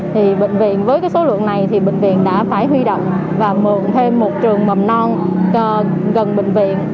thì bệnh viện với số lượng này thì bệnh viện đã phải huy động và mượn thêm một trường mầm non gần bệnh viện